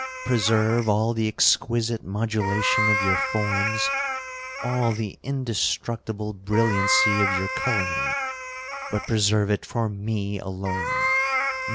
Preserve all the exquisite modulation of your forms! all the indestructible brilliancy of your colouring!—but preserve it for me alone!